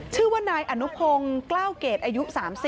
ชื่อว่านายอนุพงศ์กล้าวเกรดอายุ๓๐